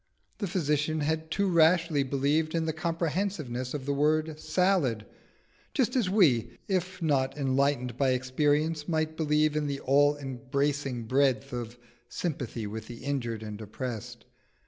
The physician had too rashly believed in the comprehensiveness of the word "salad," just as we, if not enlightened by experience, might believe in the all embracing breadth of "sympathy with the injured and oppressed."